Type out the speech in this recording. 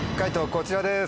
こちらです。